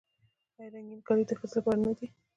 آیا رنګین کالي د ښځو لپاره نه دي؟